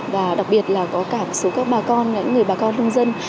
và đặc biệt là có cả một số các bà con những người bà con nông dân